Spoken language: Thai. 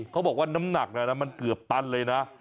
เขาบอกว่าน้ำหนักมันเกือบตันเลยนะ